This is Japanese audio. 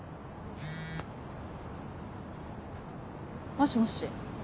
もしもし。